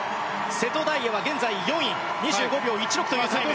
瀬戸大也は現在４位２５秒１６というタイム。